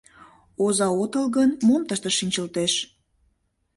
— Оза отыл гын, мом тыште шинчылтеш!